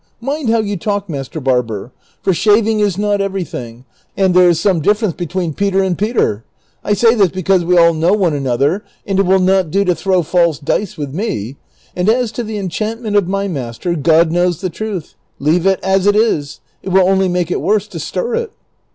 Mind how you talk, master barber; for shaving is not everything, and there is some difference between Peter and Peter. "^ I say this because we all know one another, and it will not do to throw false dice with me ;^ and as to the enchantment of my master, God knows the truth ; leave it as it is ; it will only make it worse to stir it."